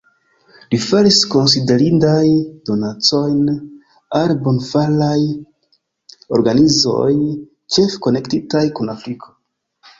Li faris konsiderindajn donacojn al bonfaraj organizoj, ĉefe konektitaj kun Afriko.